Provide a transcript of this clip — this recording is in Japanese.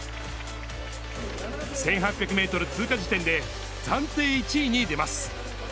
１８００メートル通過時点で、暫定１位に出ます。